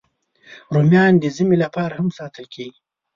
رومیان د ژمي لپاره هم ساتل کېږي